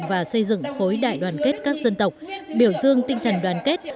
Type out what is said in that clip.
và xây dựng khối đại đoàn kết các dân tộc biểu dương tinh thần đoàn kết